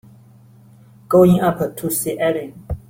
Going up to see Erin.